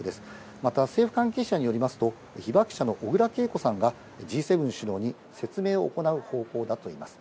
また政府関係者によりますと、被爆者の小倉桂子さんがＧ７首脳に説明を行う方向だといいます。